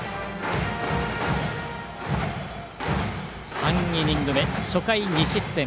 ３イニング目初回、２失点。